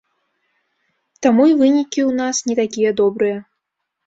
Таму і вынікі ў нас не такія добрыя.